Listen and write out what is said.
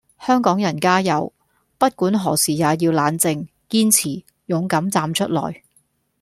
香港人加油！不管何時也要冷靜、堅持、勇敢站出來